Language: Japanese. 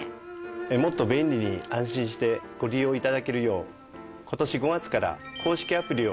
もっと便利に安心してご利用頂けるよう今年５月から公式アプリをリリースしました。